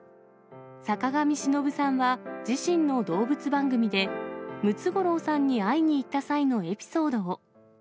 坂上忍さんは、自身の動物番組でムツゴロウさんに会いに行った際のエピソードを。